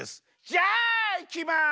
じゃあいきます。